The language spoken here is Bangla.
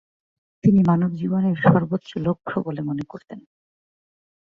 তিনি মানবজীবনের সর্বোচ্চ লক্ষ্য বলে মনে করতেন।